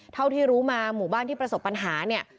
เท่าที่รู้มาหมู่บ้านที่ประสบปัญหาเนี่ย